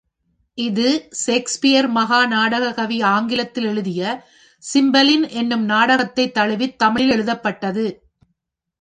இது ஷேக்ஸ்பியர் மகா நாடகக் கவி ஆங்கிலத்தில் எழுதிய சிம்பலின் என்னும் நாடகத்தைத் தழுவித் தமிழில் எழுதப்பட்டது.